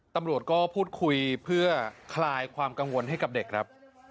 ตำรวจก็พูดคุยเพื่อคลายความกังวลให้กับเด็กครับ